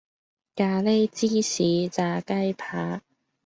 咖哩起司炸雞排